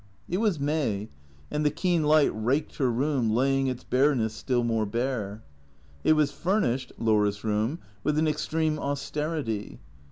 It was May and the keen light raked her room, laying its bareness still more bare. It was furnished, Laura's room, with an extreme austerity.